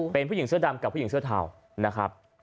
เป็นผู้หญิงเสื้อดำกับผู้หญิงเสื้อเทานะครับ